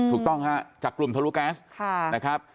ถูกต้องฮะจากกลุ่มทะลุแก๊สนะครับ